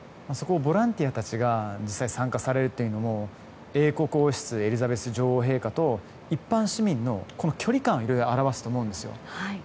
ボランティアたちが実際参加されるというのも英国王室エリザベス女王陛下と一般市民の距離感を表すと思うんですよ。